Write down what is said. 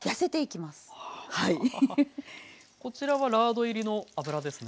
こちらはラード入りの油ですね。